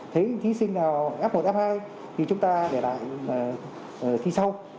thấy thí sinh nào f một f hai thì chúng ta để lại thi sau